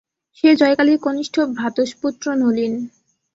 সে জয়কালীর কনিষ্ঠ ভ্রাতুষ্পুত্র নলিন।